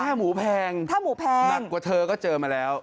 ถ้าหมูแพงหนักกว่าเธอก็เจอมาแล้ว